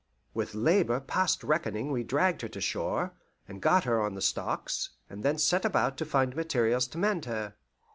With labour past reckoning we dragged her to shore, and got her on the stocks, and then set about to find materials to mend her.